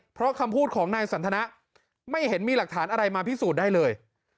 เพราะคำพูดของนายสันทนะไม่เห็นมีหลักฐานอะไรมาพิสูจน์ได้เลย